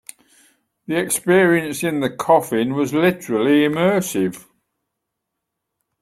The experience in the coffin was literally immersive.